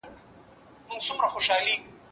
امنيت د ټولنيز ژوند اړتيا ده.